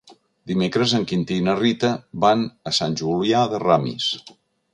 Dimecres en Quintí i na Rita van a Sant Julià de Ramis.